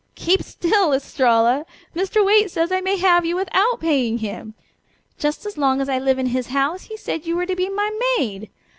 "Keep still, Estralla! Mr. Waite says I may have you without paying him. Just as long as I live in his house he said you were to be my maid!